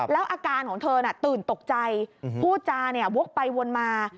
แล้วอาการของเธอน่ะตื่นตกใจพูดจาเนี่ยวกไปวนมา